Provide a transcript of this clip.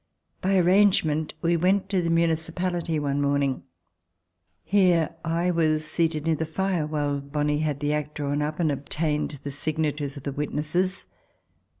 By arrangement, we went to the municipality one morn ing. Here I was seated near the fire while Bonie had the act drawn up and obtained the signatures of the witnesses.